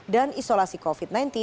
dan isolasi covid sembilan belas